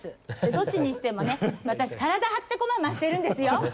どっちにしてもね私体張ってこま回してるんですよ。